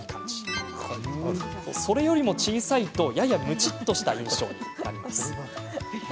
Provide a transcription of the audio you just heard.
それよりも小さいとやや、むちっとした印象に。